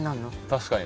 確かに。